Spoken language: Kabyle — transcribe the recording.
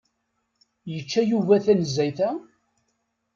Yečča Yuba tanezzayt-a?